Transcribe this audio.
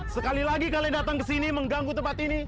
sekali lagi kalian datang ke sini mengganggu tempat ini